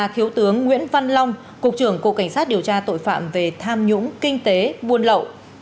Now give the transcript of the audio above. thiếu tướng nguyễn văn long cục trưởng cục cảnh sát điều tra tội phạm về tham nhũng kinh tế buôn lậu